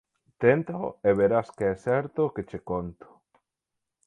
Téntao e verás que é certo o que che conto.